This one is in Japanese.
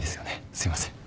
すいません。